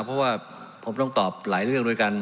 เพราะว่าผมต้องตอบหลายเรื่องด้วยกัน